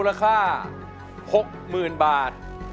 เพลงที่๔นะครับมูลค่า๖๐๐๐๐บาท